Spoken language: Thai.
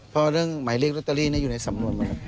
เพราะเรื่องหมายเลขรตเตอรี่น่ะอยู่ในสำรวจมาก